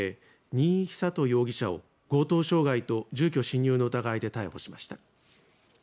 新居秀道容疑者を強盗傷害と住居侵入の疑いで逮捕しました。